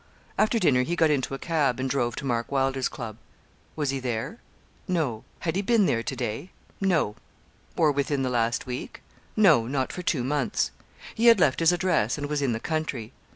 After dinner he got into a cab, and drove to Mark Wylder's club. Was he there? No. Had he been there to day? No. Or within the last week? No; not for two months. He had left his address, and was in the country.